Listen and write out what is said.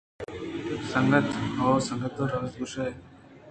سنگت: ھو سنگت تو راست گْوشگ ءَ ئے،